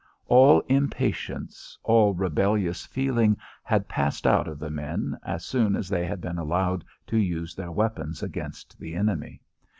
All impatience, all rebellious feeling, had passed out of the men as soon as they had been allowed to use their weapons against the enemy.